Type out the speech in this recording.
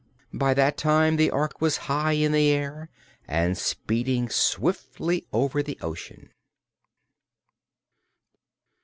By that time the Ork was high in the air and speeding swiftly over the ocean.